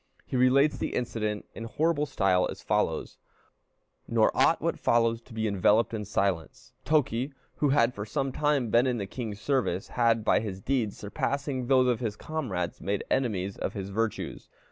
He relates the incident in horrible style as follows: "Nor ought what follows to be enveloped in silence. Toki, who had for some time been in the king's service, had, by his deeds, surpassing those of his comrades, made enemies of his virtues.